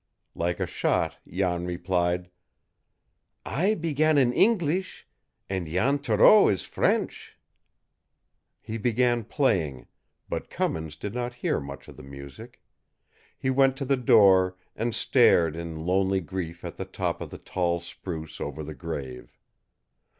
Like a shot Jan replied: "I began in Engleesh, an' Jan Thoreau is French!" He began playing, but Cummins did not hear much of the music. He went to the door, and stared in lonely grief at the top of the tall spruce over the grave.